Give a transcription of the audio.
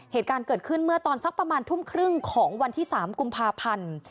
เหตุการณ์เกิดขึ้นเมื่อตอนสักประมาณทุ่มครึ่งของวันที่๓กุมภาพันธ์